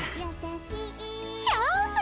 チャンス！